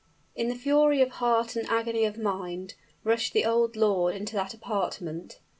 In fury of heart and agony of mind, rushed the old lord into that apartment.